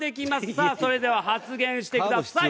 さあそれでは発言してください。